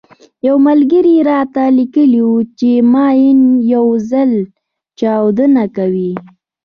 يو ملګري راته ليکلي وو چې ماين يو ځل چاودنه کوي.